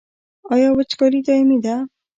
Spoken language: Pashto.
آیا وچکالي دایمي ده؟